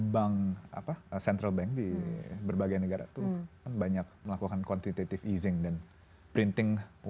bank apa central bank di berbagai negara tuh kan banyak melakukan quantitative easing dan printing uang baru